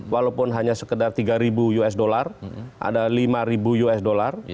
walaupun hanya sekedar tiga usd ada lima usd